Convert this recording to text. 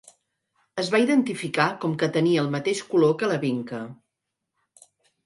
Es va identificar com que tenia el mateix color que la vinca.